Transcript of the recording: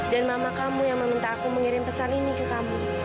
dan mama kamu yang meminta aku mengirim pesan ini ke kamu